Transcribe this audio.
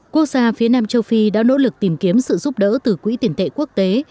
quốc gia phía nam châu phi đã nỗ lực tìm kiếm sự giúp đỡ từ quỹ tiền tệ quốc tế